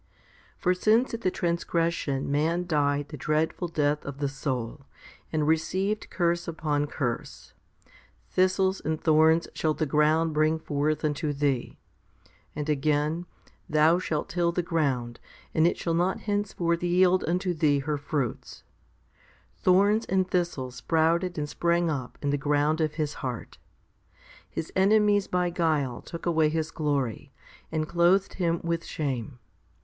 6. For since at the transgression man died the dreadful death of the soul, and received curse upon curse Thistles and thorns shall the ground bring forth unto thee, 5 and again, Thou shalt till the ground, and it shall not henceforth yield unto thee her fruits 6 thorns and thistles sprouted and sprang up in the ground of his heart. His enemies by guile took away his glory, and clothed him with shame.